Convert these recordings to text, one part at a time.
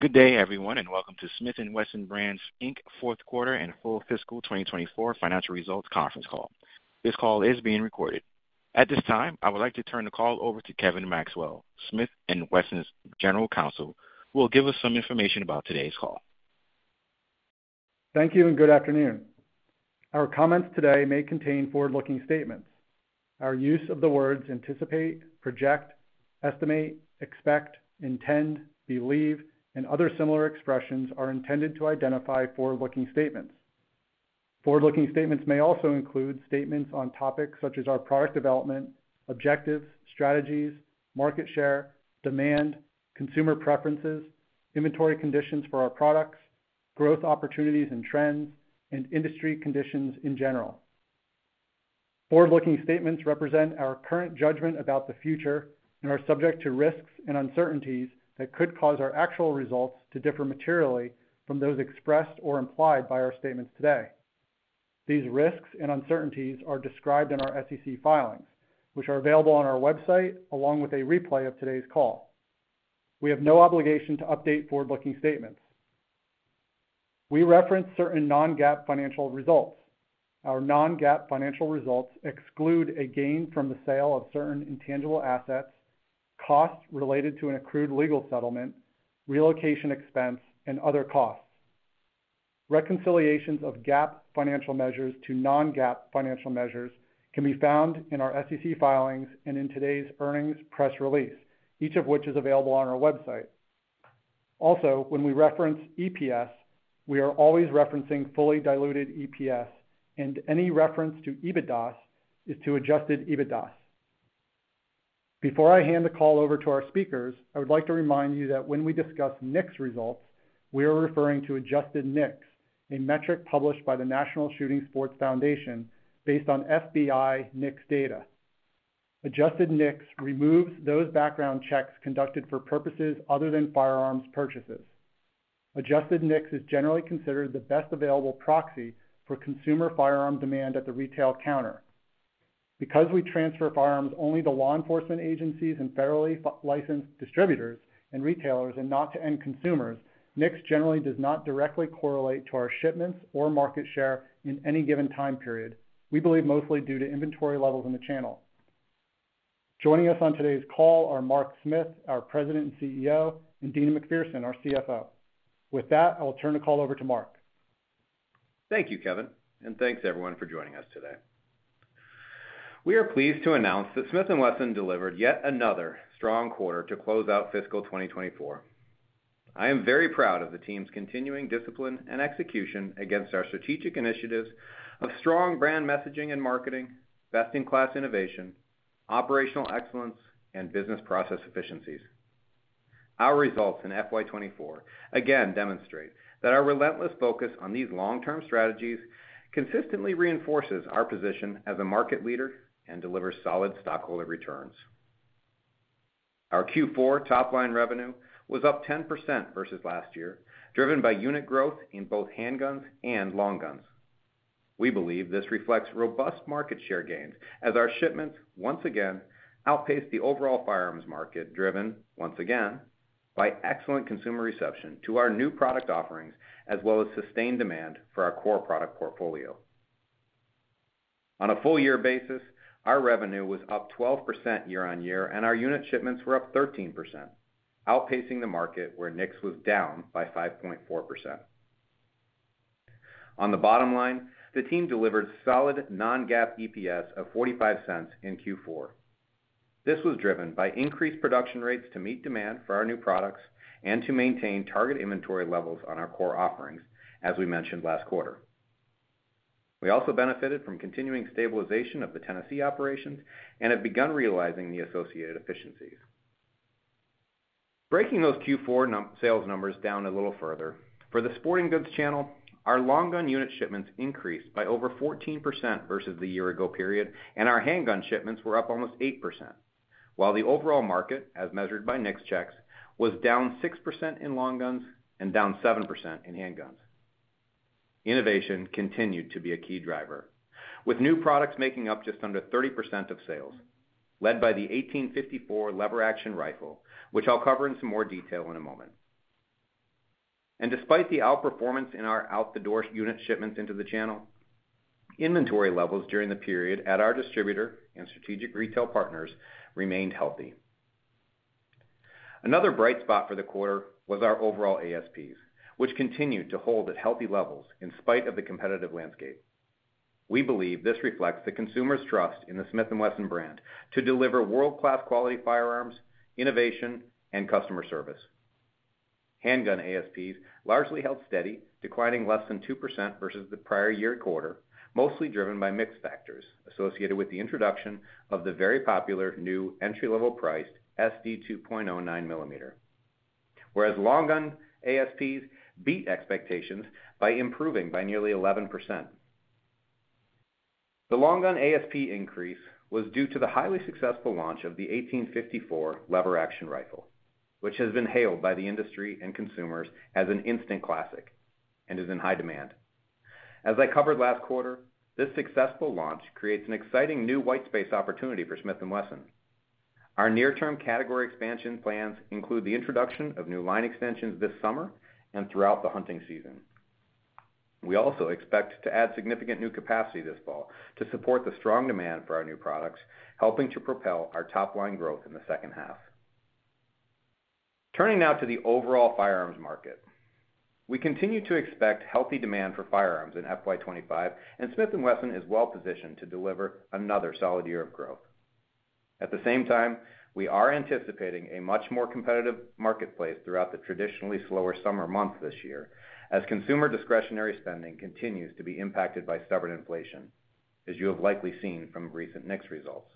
Good day, everyone, and welcome to Smith & Wesson Brands, Inc. fourth quarter and full fiscal 2024 financial results conference call. This call is being recorded. At this time, I would like to turn the call over to Kevin Maxwell, Smith & Wesson's General Counsel, who will give us some information about today's call. Thank you and good afternoon. Our comments today may contain forward-looking statements. Our use of the words anticipate, project, estimate, expect, intend, believe, and other similar expressions are intended to identify forward-looking statements. Forward-looking statements may also include statements on topics such as our product development, objectives, strategies, market share, demand, consumer preferences, inventory conditions for our products, growth opportunities and trends, and industry conditions in general. Forward-looking statements represent our current judgment about the future and are subject to risks and uncertainties that could cause our actual results to differ materially from those expressed or implied by our statements today. These risks and uncertainties are described in our SEC filings, which are available on our website, along with a replay of today's call. We have no obligation to update forward-looking statements. We reference certain non-GAAP financial results. Our Non-GAAP financial results exclude a gain from the sale of certain intangible assets, costs related to an accrued legal settlement, relocation expense, and other costs. Reconciliations of GAAP financial measures to Non-GAAP financial measures can be found in our SEC filings and in today's earnings press release, each of which is available on our website. Also, when we reference EPS, we are always referencing fully diluted EPS, and any reference to EBITDA is to adjusted EBITDA. Before I hand the call over to our speakers, I would like to remind you that when we discuss NICS results, we are referring to Adjusted NICS, a metric published by the National Shooting Sports Foundation based on FBI NICS data. Adjusted NICS removes those background checks conducted for purposes other than firearms purchases. Adjusted NICS is generally considered the best available proxy for consumer firearm demand at the retail counter. Because we transfer firearms only to law enforcement agencies and federally licensed distributors and retailers and not to end consumers, NICS generally does not directly correlate to our shipments or market share in any given time period. We believe mostly due to inventory levels in the channel. Joining us on today's call are Mark Smith, our President and CEO, and Deana McPherson, our CFO. With that, I will turn the call over to Mark. Thank you, Kevin, and thanks everyone for joining us today. We are pleased to announce that Smith & Wesson delivered yet another strong quarter to close out fiscal 2024. I am very proud of the team's continuing discipline and execution against our strategic initiatives of strong brand messaging and marketing, best-in-class innovation, operational excellence, and business process efficiencies. Our results in FY 2024 again demonstrate that our relentless focus on these long-term strategies consistently reinforces our position as a market leader and delivers solid stockholder returns. Our Q4 top-line revenue was up 10% versus last year, driven by unit growth in both handguns and long guns. We believe this reflects robust market share gains as our shipments, once again, outpaced the overall firearms market, driven, once again, by excellent consumer reception to our new product offerings, as well as sustained demand for our core product portfolio. On a full year basis, our revenue was up 12% year-over-year, and our unit shipments were up 13%, outpacing the market, where NICS was down by 5.4%. On the bottom line, the team delivered solid non-GAAP EPS of $0.45 in Q4. This was driven by increased production rates to meet demand for our new products and to maintain target inventory levels on our core offerings, as we mentioned last quarter. We also benefited from continuing stabilization of the Tennessee operations and have begun realizing the associated efficiencies. Breaking those Q4 numbers down a little further, for the sporting goods channel, our long gun unit shipments increased by over 14% versus the year ago period, and our handgun shipments were up almost 8%, while the overall market, as measured by NICS checks, was down 6% in long guns and down 7% in handguns. Innovation continued to be a key driver, with new products making up just under 30% of sales, led by the 1854 lever-action rifle, which I'll cover in some more detail in a moment. Despite the outperformance in our out-the-door unit shipments into the channel, inventory levels during the period at our distributor and strategic retail partners remained healthy. Another bright spot for the quarter was our overall ASPs, which continued to hold at healthy levels in spite of the competitive landscape. We believe this reflects the consumer's trust in the Smith & Wesson brand to deliver world-class quality firearms, innovation, and customer service. Handgun ASPs largely held steady, declining less than 2% versus the prior year quarter, mostly driven by mix factors associated with the introduction of the very popular new entry-level-priced SD9 2.0 9mm. Whereas long gun ASPs beat expectations by improving by nearly 11%. The long gun ASP increase was due to the highly successful launch of the 1854 lever-action rifle, which has been hailed by the industry and consumers as an instant classic and is in high demand. As I covered last quarter, this successful launch creates an exciting new white space opportunity for Smith & Wesson. Our near-term category expansion plans include the introduction of new line extensions this summer and throughout the hunting season. We also expect to add significant new capacity this fall to support the strong demand for our new products, helping to propel our top-line growth in the second half. Turning now to the overall firearms market. We continue to expect healthy demand for firearms in FY 2025, and Smith & Wesson is well positioned to deliver another solid year of growth. At the same time, we are anticipating a much more competitive marketplace throughout the traditionally slower summer months this year, as consumer discretionary spending continues to be impacted by stubborn inflation, as you have likely seen from recent NICS results.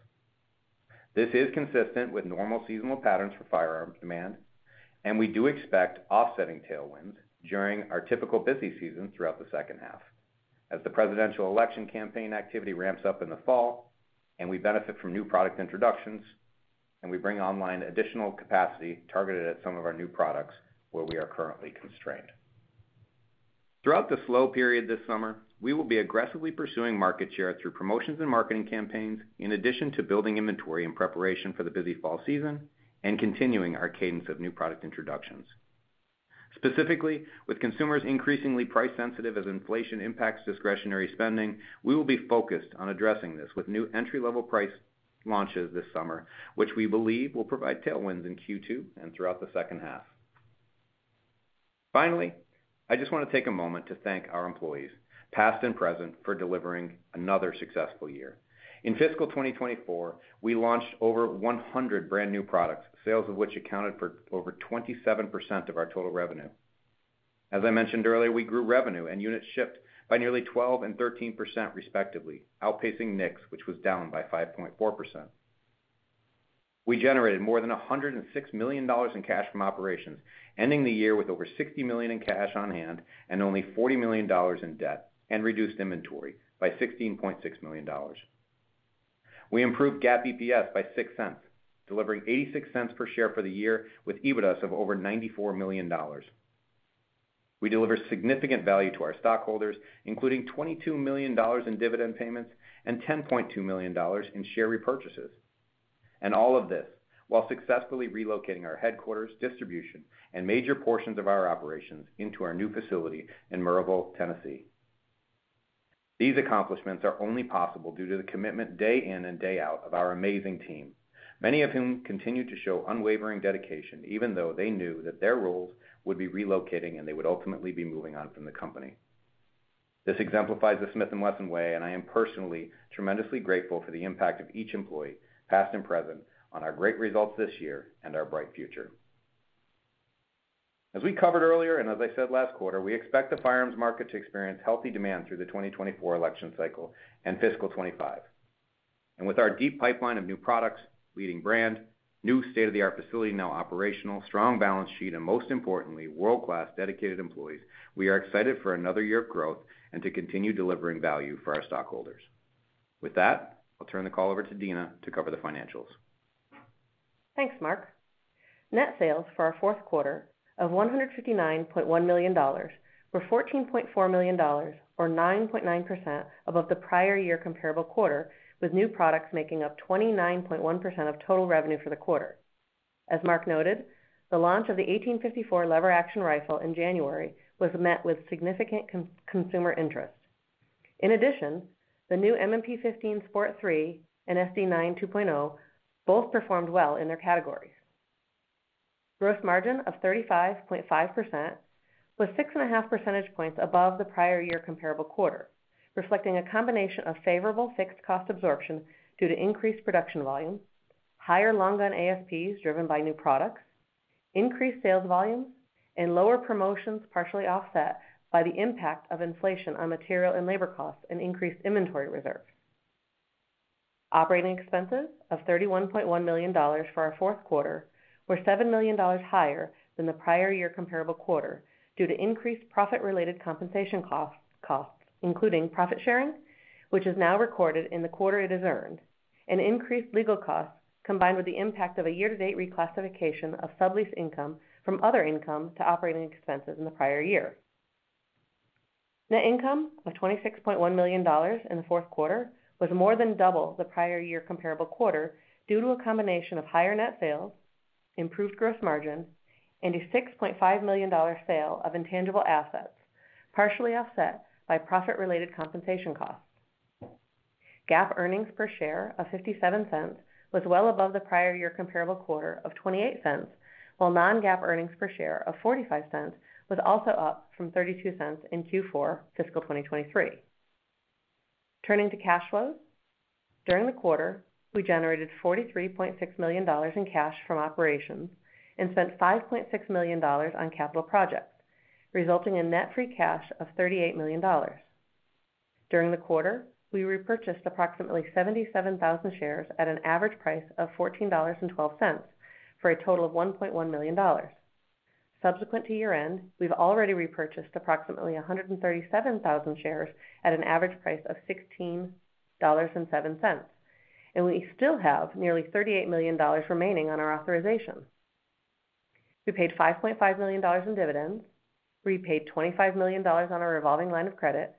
This is consistent with normal seasonal patterns for firearms demand, and we do expect offsetting tailwinds during our typical busy season throughout the second half, as the presidential election campaign activity ramps up in the fall, and we benefit from new product introductions, and we bring online additional capacity targeted at some of our new products where we are currently constrained. Throughout the slow period this summer, we will be aggressively pursuing market share through promotions and marketing campaigns, in addition to building inventory in preparation for the busy fall season and continuing our cadence of new product introductions. Specifically, with consumers increasingly price-sensitive as inflation impacts discretionary spending, we will be focused on addressing this with new entry-level price launches this summer, which we believe will provide tailwinds in Q2 and throughout the second half. Finally, I just want to take a moment to thank our employees, past and present, for delivering another successful year. In fiscal 2024, we launched over 100 brand-new products, sales of which accounted for over 27% of our total revenue. As I mentioned earlier, we grew revenue and units shipped by nearly 12% and 13%, respectively, outpacing NICS, which was down by 5.4%. We generated more than $106 million in cash from operations, ending the year with over $60 million in cash on hand and only $40 million in debt and reduced inventory by $16.6 million. We improved GAAP EPS by $0.06, delivering $0.86 per share for the year, with EBITDA of over $94 million. We delivered significant value to our stockholders, including $22 million in dividend payments and $10.2 million in share repurchases. All of this while successfully relocating our headquarters, distribution, and major portions of our operations into our new facility in Maryville, Tennessee. These accomplishments are only possible due to the commitment, day in and day out, of our amazing team, many of whom continued to show unwavering dedication, even though they knew that their roles would be relocating and they would ultimately be moving on from the company. This exemplifies the Smith & Wesson way, and I am personally tremendously grateful for the impact of each employee, past and present, on our great results this year and our bright future. As we covered earlier, and as I said last quarter, we expect the firearms market to experience healthy demand through the 2024 election cycle and fiscal 25. And with our deep pipeline of new products, leading brand, new state-of-the-art facility now operational, strong balance sheet and, most importantly, world-class, dedicated employees, we are excited for another year of growth and to continue delivering value for our stockholders. With that, I'll turn the call over to Deana to cover the financials. Thanks, Mark. Net sales for our fourth quarter of $159.1 million were $14.4 million, or 9.9% above the prior year comparable quarter, with new products making up 29.1% of total revenue for the quarter. As Mark noted, the launch of the 1854 lever-action rifle in January was met with significant consumer interest. In addition, the new M&P15 Sport III and SD9 2.0 both performed well in their categories. Gross margin of 35.5% was 6.5 percentage points above the prior year comparable quarter, reflecting a combination of favorable fixed cost absorption due to increased production volumes, higher long gun ASPs driven by new products, increased sales volumes, and lower promotions, partially offset by the impact of inflation on material and labor costs and increased inventory reserves. Operating expenses of $31.1 million for our fourth quarter were $7 million higher than the prior year comparable quarter due to increased profit-related compensation cost, costs, including profit sharing, which is now recorded in the quarter it is earned, and increased legal costs, combined with the impact of a year-to-date reclassification of sublease income from other income to operating expenses in the prior year. Net income of $26.1 million in the fourth quarter was more than double the prior year comparable quarter due to a combination of higher net sales, improved gross margin, and a $6.5 million sale of intangible assets, partially offset by profit-related compensation costs. GAAP earnings per share of $0.57 was well above the prior year comparable quarter of $0.28, while non-GAAP earnings per share of $0.45 was also up from $0.32 in Q4 fiscal 2023. Turning to cash flows. During the quarter, we generated $43.6 million in cash from operations and spent $5.6 million on capital projects, resulting in net free cash of $38 million. During the quarter, we repurchased approximately 77,000 shares at an average price of $14.12, for a total of $1.1 million. Subsequent to year-end, we've already repurchased approximately 137,000 shares at an average price of $16.07, and we still have nearly $38 million remaining on our authorization. We paid $5.5 million in dividends, repaid $25 million on our revolving line of credit,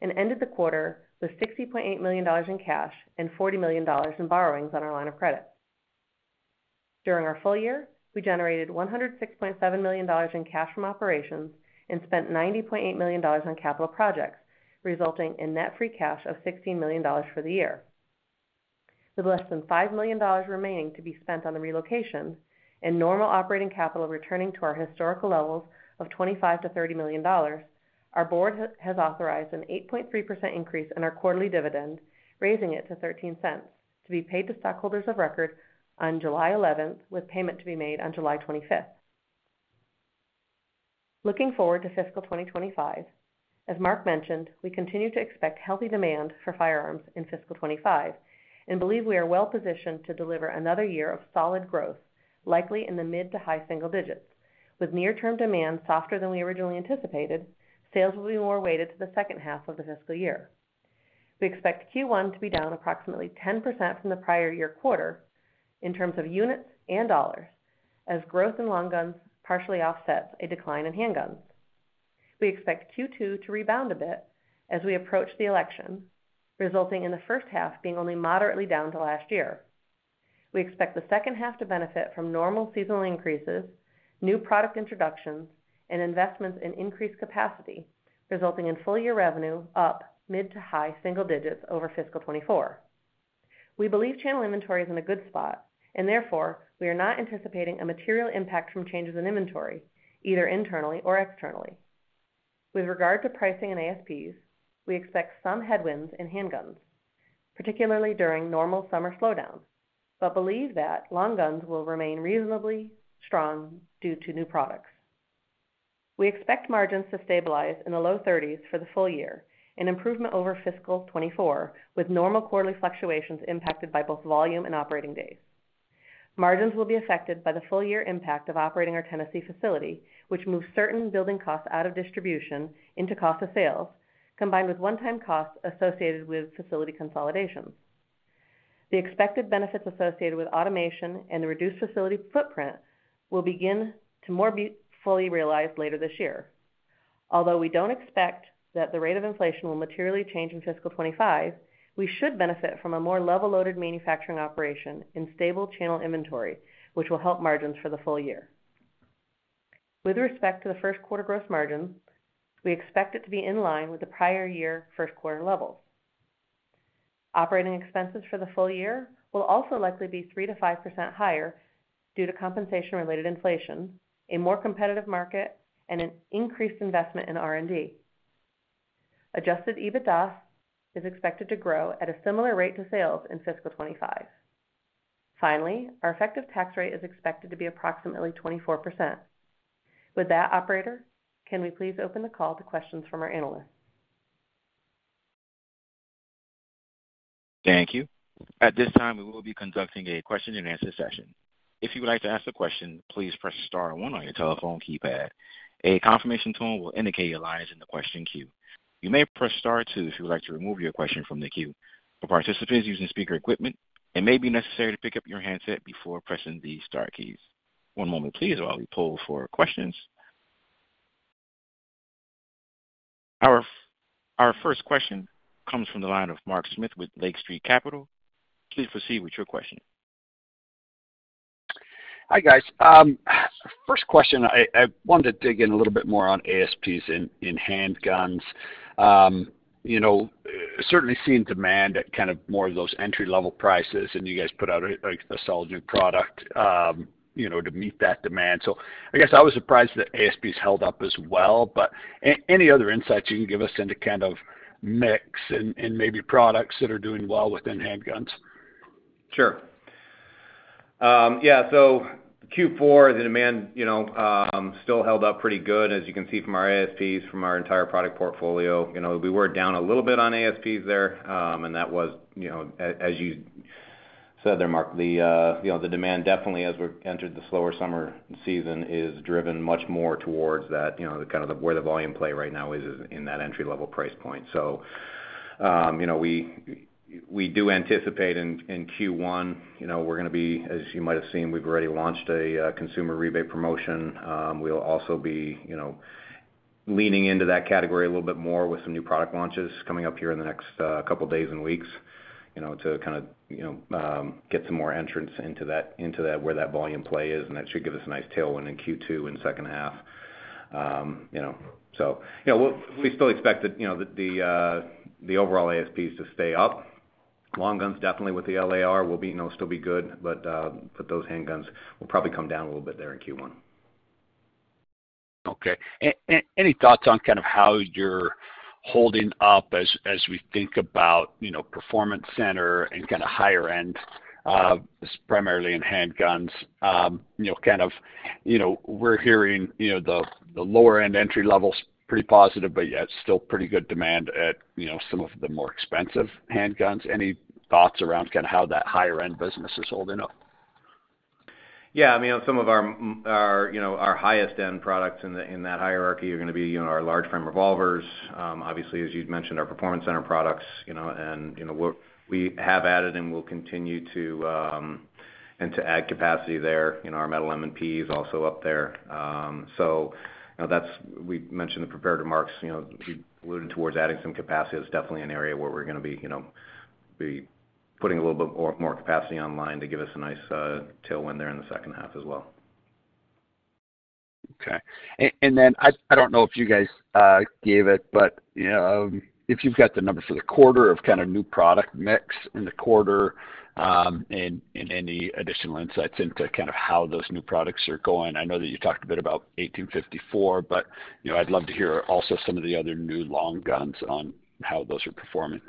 and ended the quarter with $60.8 million in cash and $40 million in borrowings on our line of credit. During our full year, we generated $106.7 million in cash from operations and spent $90.8 million on capital projects, resulting in net free cash of $16 million for the year. With less than $5 million remaining to be spent on the relocation and normal operating capital returning to our historical levels of $25 million-$30 million, our board has authorized an 8.3% increase in our quarterly dividend, raising it to $0.13, to be paid to stockholders of record on July 11th, with payment to be made on July 25th. Looking forward to fiscal 2025, as Mark mentioned, we continue to expect healthy demand for firearms in fiscal 2025 and believe we are well positioned to deliver another year of solid growth, likely in the mid to high single digits. With near-term demand softer than we originally anticipated, sales will be more weighted to the second half of the fiscal year. We expect Q1 to be down approximately 10% from the prior year quarter in terms of units and dollars, as growth in long guns partially offsets a decline in handguns. We expect Q2 to rebound a bit as we approach the election, resulting in the first half being only moderately down to last year. We expect the second half to benefit from normal seasonal increases, new product introductions, and investments in increased capacity, resulting in full-year revenue up mid- to high-single digits over fiscal 2024. We believe channel inventory is in a good spot, and therefore, we are not anticipating a material impact from changes in inventory, either internally or externally. With regard to pricing and ASPs, we expect some headwinds in handguns, particularly during normal summer slowdowns, but believe that long guns will remain reasonably strong due to new products. We expect margins to stabilize in the low 30%s for the full year, an improvement over fiscal 2024, with normal quarterly fluctuations impacted by both volume and operating days. Margins will be affected by the full year impact of operating our Tennessee facility, which moves certain building costs out of distribution into cost of sales, combined with one-time costs associated with facility consolidations. The expected benefits associated with automation and the reduced facility footprint will begin to more be fully realized later this year. Although we don't expect that the rate of inflation will materially change in fiscal 2025, we should benefit from a more level-loaded manufacturing operation and stable channel inventory, which will help margins for the full year. With respect to the first quarter gross margin, we expect it to be in line with the prior year first quarter levels. Operating expenses for the full year will also likely be 3%-5% higher due to compensation-related inflation, a more competitive market, and an increased investment in R&D. Adjusted EBITDA is expected to grow at a similar rate to sales in fiscal 2025. Finally, our effective tax rate is expected to be approximately 24%. With that, operator, can we please open the call to questions from our analysts? Thank you. At this time, we will be conducting a question-and-answer session. If you would like to ask a question, please press star one on your telephone keypad. A confirmation tone will indicate your line is in the question queue. You may press star two if you would like to remove your question from the queue. For participants using speaker equipment, it may be necessary to pick up your handset before pressing the star keys. One moment please while we poll for questions. Our first question comes from the line of Mark Smith with Lake Street Capital. Please proceed with your question. Hi, guys. First question, I wanted to dig in a little bit more on ASPs in handguns. You know, certainly seeing demand at kind of more of those entry-level prices, and you guys put out like a solid new product, you know, to meet that demand. So I guess I was surprised that ASPs held up as well, but any other insights you can give us into kind of mix and maybe products that are doing well within handguns? Sure. Yeah, so Q4, the demand, you know, still held up pretty good, as you can see from our ASPs, from our entire product portfolio. You know, we were down a little bit on ASPs there, and that was, you know, as you said there, Mark, the, you know, the demand definitely as we're entered the slower summer season, is driven much more towards that, you know, the kind of the, where the volume play right now is, is in that entry-level price point. So, you know, we, we do anticipate in, in Q1, you know, we're gonna be... As you might have seen, we've already launched a, consumer rebate promotion. We'll also be, you know, leaning into that category a little bit more with some new product launches coming up here in the next couple days and weeks, you know, to kind of, you know, get some more entrants into that, into that, where that volume play is, and that should give us a nice tailwind in Q2, in the second half. You know, so, you know, we'll, we still expect that, you know, that the overall ASPs to stay up. Long guns, definitely with the LAR, will be, you know, still be good, but, but those handguns will probably come down a little bit there in Q1. Okay. Any thoughts on kind of how you're holding up as we think about, you know, Performance Center and kind of higher end, primarily in handguns? You know, kind of, you know, we're hearing, you know, the lower end entry level's pretty positive, but yet still pretty good demand at, you know, some of the more expensive handguns. Any thoughts around kind of how that higher end business is holding up? Yeah, I mean, on some of our, our highest end products in that hierarchy are gonna be, you know, our large frame revolvers. Obviously, as you'd mentioned, our Performance Center products, you know, and, you know, we have added and we'll continue to, and to add capacity there, you know, our Metal M&P is also up there. So, you know, that's, we mentioned the prepared remarks, you know, we alluded towards adding some capacity. That's definitely an area where we're gonna be, you know, putting a little bit more capacity online to give us a nice tailwind there in the second half as well. Okay. And then, I don't know if you guys gave it, but, you know, if you've got the numbers for the quarter of kind of new product mix in the quarter, and any additional insights into kind of how those new products are going. I know that you talked a bit about 1854, but, you know, I'd love to hear also some of the other new long guns on how those are performing.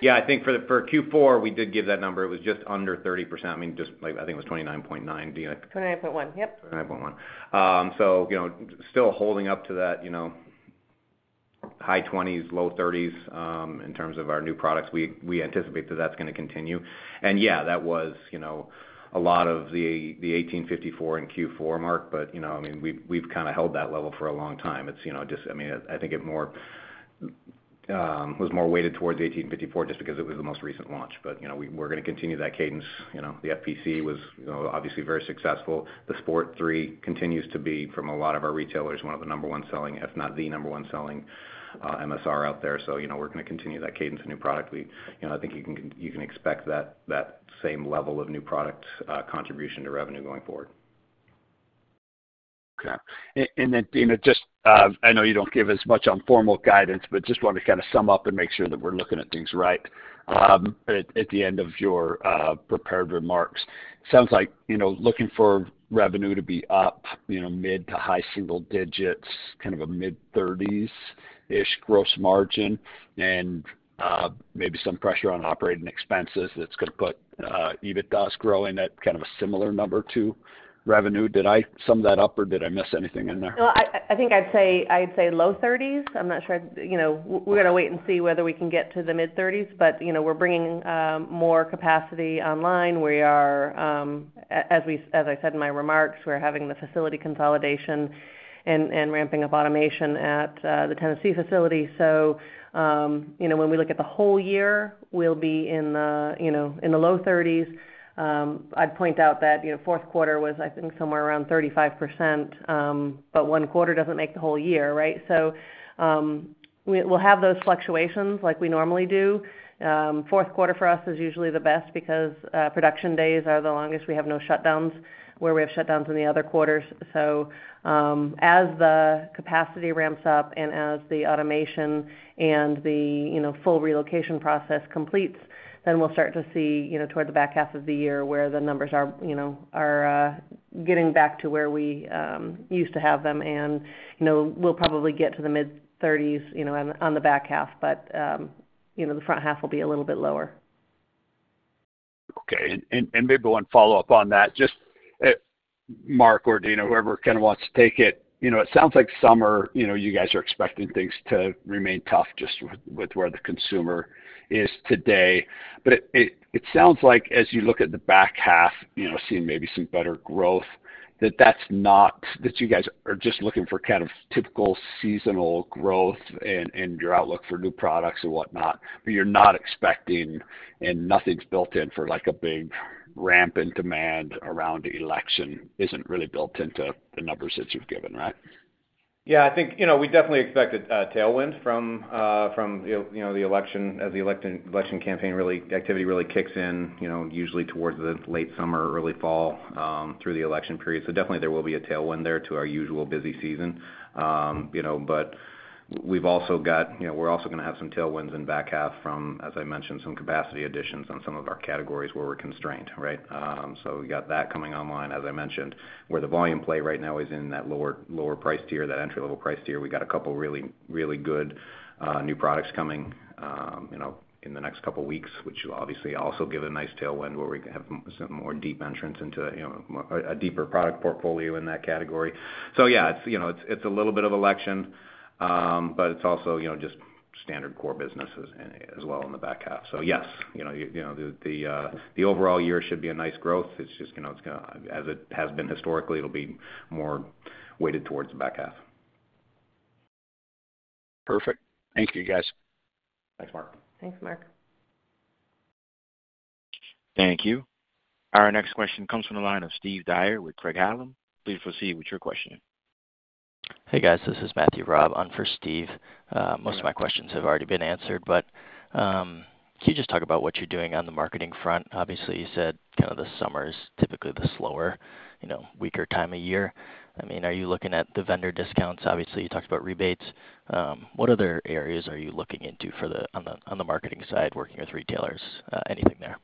Yeah, I think for Q4, we did give that number. It was just under 30%. I mean, just like, I think it was 29.9%. Deana? 29.1%. Yep. 29.1%. So, you know, still holding up to that, you know, high 20%s, low 30%s, in terms of our new products. We, we anticipate that that's gonna continue. And yeah, that was, you know, a lot of the, the 1854 in Q4, Mark, but, you know, I mean, we've, we've kind of held that level for a long time. It's, you know, just, I mean, I think it more, was more weighted towards the 1854 just because it was the most recent launch. But, you know, we- we're gonna continue that cadence. You know, the FPC was, you know, obviously very successful. The Sport III continues to be, from a lot of our retailers, one of the number one selling, if not the number one selling, MSR out there. So, you know, we're gonna continue that cadence of new product. We, you know, I think you can, you can expect that, that same level of new product, contribution to revenue going forward. Okay. Then, Deana, just, I know you don't give as much on formal guidance, but just wanted to kind of sum up and make sure that we're looking at things right. At the end of your prepared remarks, sounds like, you know, looking for revenue to be up, you know, mid- to high-single digits, kind of a mid-30%-ish gross margin, and maybe some pressure on operating expenses that's gonna put EBITDA's growing at kind of a similar number to revenue. Did I sum that up, or did I miss anything in there? No, I think I'd say, I'd say low 30%s. I'm not sure... You know, we're gonna wait and see whether we can get to the mid 30%s, but, you know, we're bringing more capacity online. We are, as I said in my remarks, we're having the facility consolidation and ramping up automation at the Tennessee facility. So, you know, when we look at the whole year, we'll be in the, you know, in the low 30%s. I'd point out that, you know, fourth quarter was, I think, somewhere around 35%, but one quarter doesn't make the whole year, right? So, we'll have those fluctuations like we normally do. Fourth quarter for us is usually the best because production days are the longest. We have no shutdowns, where we have shutdowns in the other quarters. So, as the capacity ramps up and as the automation and the, you know, full relocation process completes, then we'll start to see, you know, toward the back half of the year, where the numbers are, you know, are, getting back to where we used to have them. And, you know, we'll probably get to the mid-30%s, you know, on, on the back half, but, you know, the front half will be a little bit lower. Okay. And maybe one follow-up on that. Just, Mark or Deana, whoever kind of wants to take it. You know, it sounds like summer, you know, you guys are expecting things to remain tough just with where the consumer is today. But it sounds like as you look at the back half, you know, seeing maybe some better growth, that that's not. That you guys are just looking for kind of typical seasonal growth and your outlook for new products and whatnot, but you're not expecting and nothing's built in for, like, a big ramp in demand around the election isn't really built into the numbers that you've given, right? Yeah, I think, you know, we definitely expect a tailwind from, you know, the election, as the election campaign activity really kicks in, you know, usually towards the late summer or early fall, through the election period. So definitely there will be a tailwind there to our usual busy season. You know, but we've also got, you know, we're also gonna have some tailwinds in back half from, as I mentioned, some capacity additions on some of our categories where we're constrained, right? So we've got that coming online, as I mentioned. Where the volume play right now is in that lower price tier, that entry-level price tier. We got a couple of really, really good, new products coming, you know, in the next couple of weeks, which will obviously also give a nice tailwind, where we can have some more deep entrants into, you know, a deeper product portfolio in that category. So yeah, it's, you know, it's a little bit of election, but it's also, you know, just standard core businesses as well in the back half. So yes, you know, you know, the overall year should be a nice growth. It's just, you know, it's gonna—as it has been historically, it'll be more weighted towards the back half. Perfect. Thank you, guys. Thanks, Mark. Thanks, Mark. Thank you. Our next question comes from the line of Steve Dyer with Craig-Hallum. Please proceed with your questioning. Hey, guys. This is Matthew Raab on for Steve. Most of my questions have already been answered, but can you just talk about what you're doing on the marketing front? Obviously, you said kind of the summer is typically the slower, you know, weaker time of year. I mean, are you looking at the vendor discounts? Obviously, you talked about rebates. What other areas are you looking into for the marketing side, working with retailers? Anything there?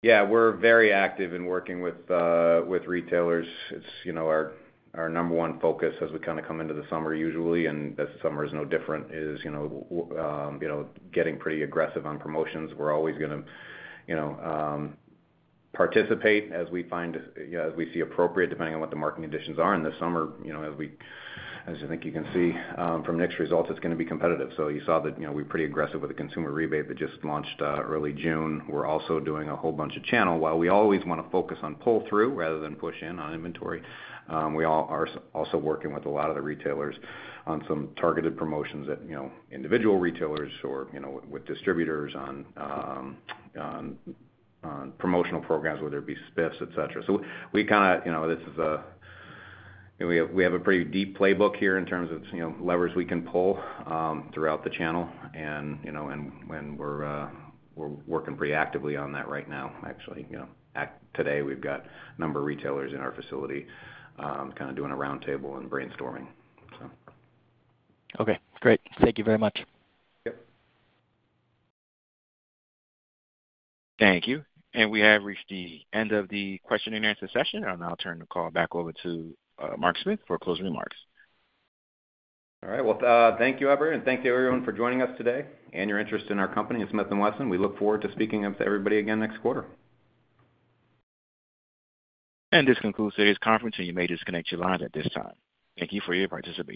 Yeah, we're very active in working with with retailers. It's you know, our our number one focus as we kind of come into the summer usually, and this summer is no different, is you know, you know, getting pretty aggressive on promotions. We're always gonna you know, participate as we find you know, as we see appropriate, depending on what the market conditions are. And this summer, you know, as I think you can see from NSSF results, it's gonna be competitive. So you saw that you know, we're pretty aggressive with the consumer rebate that just launched early June. We're also doing a whole bunch of channel. While we always wanna focus on pull-through rather than push in on inventory, we all are also working with a lot of the retailers on some targeted promotions that, you know, individual retailers or, you know, with distributors on promotional programs, whether it be spiffs, et cetera. So we kinda, you know, have a pretty deep playbook here in terms of, you know, levers we can pull throughout the channel. And, you know, we're working pretty actively on that right now, actually, you know. As of today, we've got a number of retailers in our facility kind of doing a roundtable and brainstorming, so. Okay, great. Thank you very much. Yep. Thank you. We have reached the end of the question and answer session. I'll now turn the call back over to Mark Smith for closing remarks. All right. Well, thank you, everyone, and thank you, everyone, for joining us today and your interest in our company, Smith & Wesson. We look forward to speaking with everybody again next quarter. This concludes today's conference, and you may disconnect your lines at this time. Thank you for your participation.